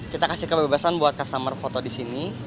kita kasih kebebasan buat customer foto disini